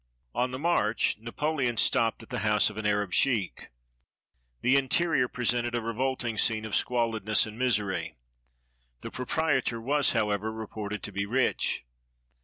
On the march, Napoleon stopped at the house of an Arab sheik. The interior presented a revolting scene of squalidness and misery. The proprietor was, however, reported to be rich.